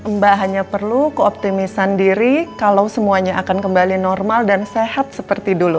mbak hanya perlu keoptimisan diri kalau semuanya akan kembali normal dan sehat seperti dulu